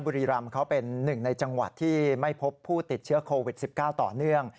บุรีรำเขาเป็นหนึ่งในจังหวัดที่ไม่พบผู้ติดเชื้อโควิด๑๙ต่อเนื่อง